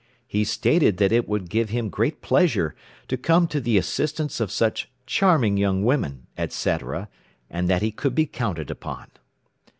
He stated that it would give him great pleasure to come to the assistance of such charming young women, et cetera, and that he could be counted upon."